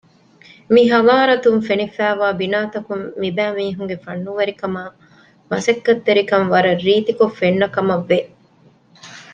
މި ޙާޟާރަތުން ފެނިފައިވާ ބިނާތަކުން މި ބައި މީހުންގެ ފަންނުވެރިކަމާއ މަސައްކަތްތެރިކަން ވަރަށް ރީތިކޮށް ފެންނަކަމަށްވެ